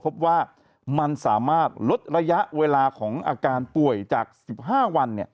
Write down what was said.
พบว่ามันสามารถลดระยะเวลาของอาการป่วยจาก๑๕วัน